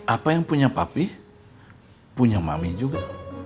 apa yang punya papi punya mami juga